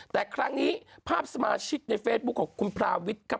แต่ครั้งนี้ภาพสมาชิกในเฟซบุ๊คของคุณพราวิทย์ครับ